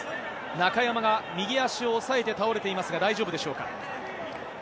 中山が右足を押さえて倒れていますが、大丈夫でしょうか。